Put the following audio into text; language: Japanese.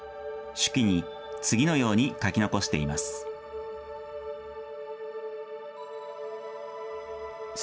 手記に次のように書き残しています。